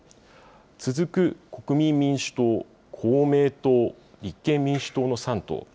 続く国民民主党、公明党、立憲民主党の３党。